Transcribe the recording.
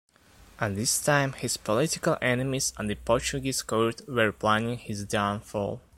At this time, his political enemies at the Portuguese court were planning his downfall.